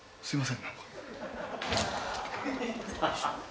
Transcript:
すいません。